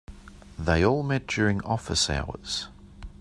They all met during office hours.